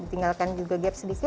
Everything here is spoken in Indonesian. ditinggalkan juga gap sedikit